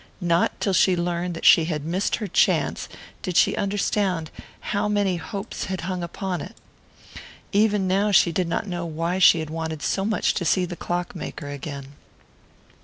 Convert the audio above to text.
Not till she learned that she had missed her chance did she understand how many hopes had hung upon it. Even now she did not know why she had wanted so much to see the clock maker again.